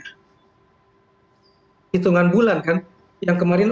hitungan bulan kan yang kemarin